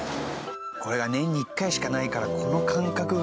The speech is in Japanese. これが年に１回しかないからこの感覚が。